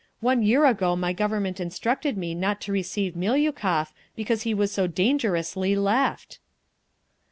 "One year ago my Government instructed me not to receive Miliukov, because he was so dangerously Left!"